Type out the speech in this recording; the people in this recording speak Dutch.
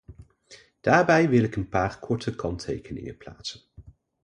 Daarbij wil ik een paar korte kanttekeningen plaatsen.